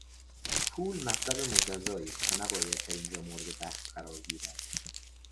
پول مطلب مجزایی است و نباید در اینجا مورد بحث قرار گیرد.